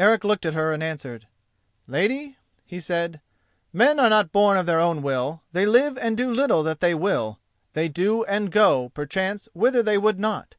Eric looked at her and answered: "Lady," he said, "men are not born of their own will, they live and do little that they will, they do and go, perchance, whither they would not.